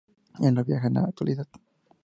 Ya no viaja en la actualidad.